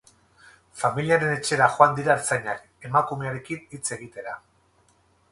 Familiaren etxera joan dira ertzainak, emakumearekin hitz egitera.